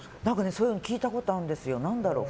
そういうの聞いたことあるんですよ。